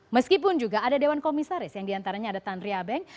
meskipun juga ada dewan komisaris yang diantaranya ada tandria beng